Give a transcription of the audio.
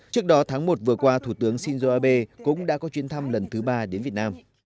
trước đó tháng một vừa qua thủ tướng shinzo abe cũng đã có chuyến thăm lần thứ ba đến việt nam